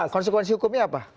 konsekuensi hukumnya apa